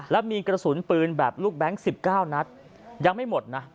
และมีกระสุนปืนแบบลูกแบงค์๑๙นัดยังไม่หมดนะ